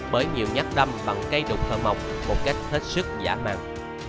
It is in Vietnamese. bởi nhiều nhắc đâm bằng cây đục thơm mọc một cách hết sức giả mạng